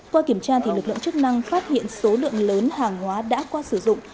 qua kiểm tra lực lượng chức năng phát hiện số lượng lớn hàng hóa đã qua sử dụng